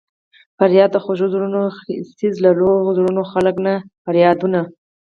فریاد د خوږو زړونو خېژي له روغو زړونو خلک نه کا فریادونه